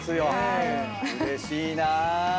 うれしいな。